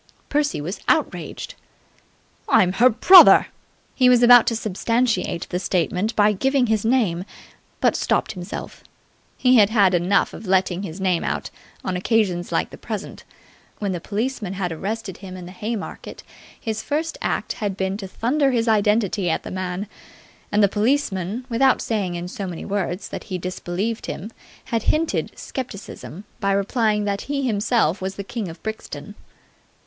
Percy was outraged. "I'm her brother!" He was about to substantiate the statement by giving his name, but stopped himself. He had had enough of letting his name come out on occasions like the present. When the policeman had arrested him in the Haymarket, his first act had been to thunder his identity at the man: and the policeman, without saying in so many words that he disbelieved him, had hinted scepticism by replying that he himself was the king of Brixton.